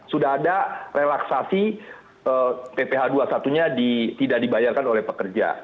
sudah ada relaksasi pph dua puluh satu nya tidak dibayarkan oleh pekerja